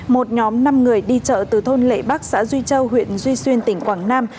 một nhóm năm người đi chợ từ thôn lệ bắc xã duy châu huyện duy xuyên tỉnh quảng nam